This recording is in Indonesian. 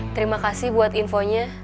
terima kasih buat infonya